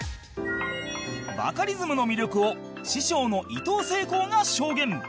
バカリズムの魅力を師匠のいとうせいこうが証言